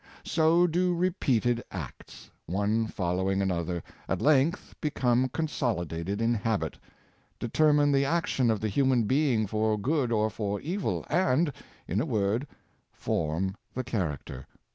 So do repeated acts,. one following another, at length become consolidated in habit, determine the action of the human being for good or for evil, and, in a word, form the character.